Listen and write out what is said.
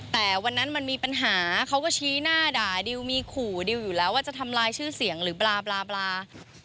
แต่วันนั้นมันมีปัญหาเขาก็ชี้หน้าด่าดิวมีขู่ดิวอยู่แล้วว่าจะทำลายชื่อเสียงหรือปลา